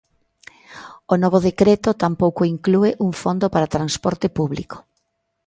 O novo decreto tampouco inclúe un fondo para transporte público.